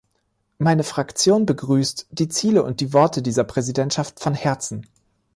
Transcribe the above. Meine Fraktion begrüßt die Ziele und die Worte dieser Präsidentschaft von Herzen.